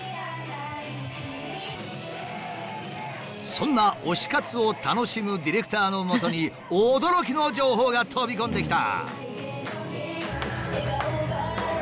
そんな推し活を楽しむディレクターのもとに驚きの情報が飛び込んできた！